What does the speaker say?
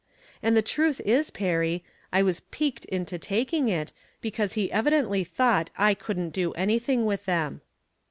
And the truth is. Perry, I was piqued into taking it, because he evidently thought I couldn't do anything with them.